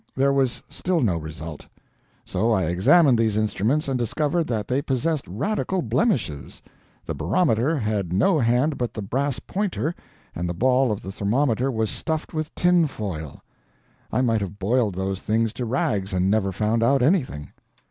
There was still no result; so I examined these instruments and discovered that they possessed radical blemishes: the barometer had no hand but the brass pointer and the ball of the thermometer was stuffed with tin foil. I might have boiled those things to rags, and never found out anything.